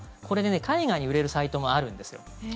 これ、海外に売れるサイトもあるんですよ。